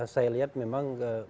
saya lihat memang